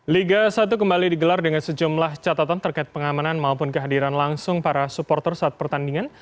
liga satu kembali digelar dengan sejumlah catatan terkait pengamanan maupun kehadiran langsung para supporter saat pertandingan